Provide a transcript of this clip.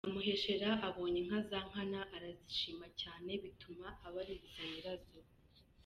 Nyamuheshera abonye inka za Nkana arazishima cyane, bituma abaririza nyirazo.